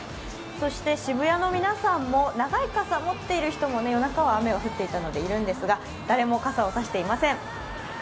そして渋谷の皆さんも長い傘を持っている人は、夜中は雨が降っていたので、いるんですが誰も傘を差していません。